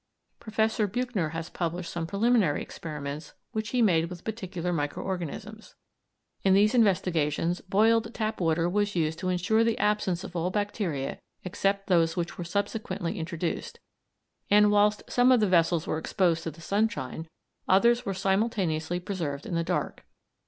Professor Buchner has published some preliminary experiments which he made with particular micro organisms. In these investigations boiled tap water was used to ensure the absence of all bacteria except those which were subsequently introduced, and, whilst some of the vessels were exposed to the sunshine, others were simultaneously preserved in the dark.